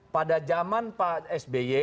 pada zaman pak sby